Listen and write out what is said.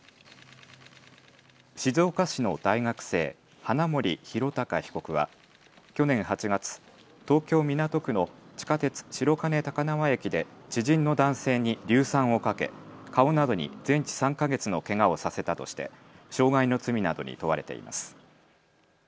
静岡市の大学生、花森弘卓被告は去年８月、東京港区の地下鉄、白金高輪駅で知人の男性に硫酸をかけ顔などに全治３か月のけがをさせたとして傷害の罪などに問われています。